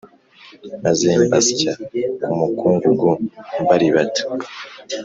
maze mbasya nk umukungugu mbaribata